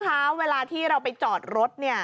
คะเวลาที่เราไปจอดรถเนี่ย